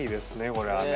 これはね